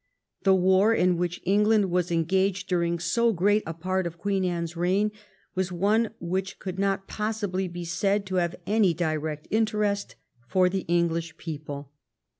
The war in which England was engaged during so great a part of Queen Anne's reign was one which could not possibly be said to have any direct interest for the English people.